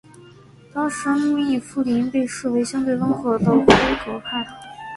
当时密夫林被视为相对温和的辉格派。